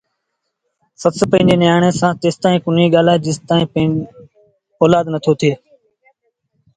سس پنڊري نيٚآڻي سآݩ تيسائيٚݩ ڪونهيٚ ڳآلآئي جيستائيٚݩ اولآد نا ٿئي وهي